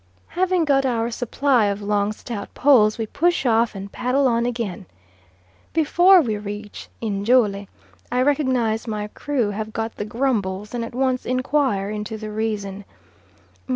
Having got our supply of long stout poles we push off and paddle on again. Before we reach Njole I recognise my crew have got the grumbles, and at once inquire into the reason.